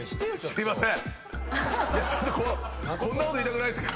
すいません。